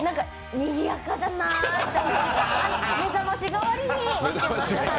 にぎやかだなって、目覚まし代わりに。